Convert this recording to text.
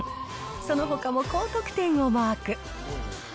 そのほかも高得点をマーク。